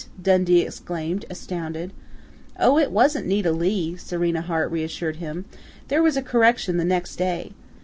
Dundee exclaimed, astounded. "Oh, it wasn't Nita Leigh," Serena Hart reassured him. "There was a correction the next day.